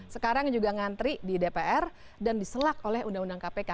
sekarang juga ngantri di dpr dan diselak oleh undang undang kpk